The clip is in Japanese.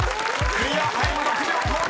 ［クリアタイム６秒５７］